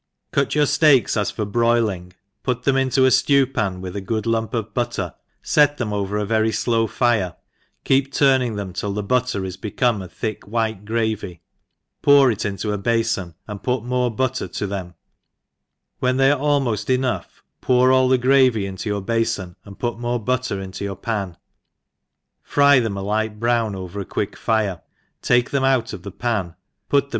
■ CUT your fteak^ as for broiling, put them into a ftew pan with a flood lump of butter, fet them over a very flow fire, keep turning them till the butter is become a thick white gravy, pour it into a bafon, and pour more butter to them ; when they are almoft enough, pour all the gravy into your bafon, and put more butter into your pan, fry them a light brown over a quick fire, take them out of the pan, put then!